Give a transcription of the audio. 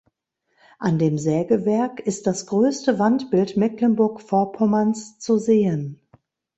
An dem Sägewerk ist das größte Wandbild Mecklenburg-Vorpommerns zu sehen.